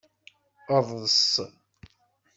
Eḍs.